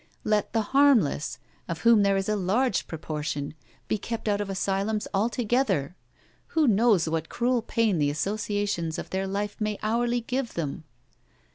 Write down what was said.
Let the harmless, of whom there is a large proportion, be kept out of asylums altogether. Who knows what cruel pain the associations of their life may hourly give them?